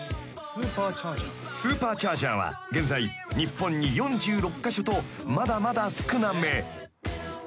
［スーパーチャージャーは現在日本に４６カ所とまだまだ少なめ］